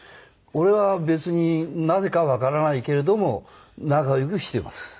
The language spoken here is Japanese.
俺は別になぜかわからないけれども仲良くしています。